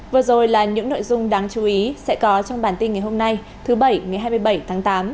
vừa rồi là những nội dung đáng chú ý sẽ có trong bản tin ngày hôm nay thứ bảy ngày hai mươi bảy tháng tám